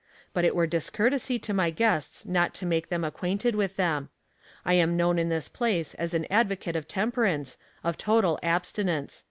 But it were discourtesy to my guests not to make them acquainted with them. I am known in this place as an advocate of temperance, of total abstinence.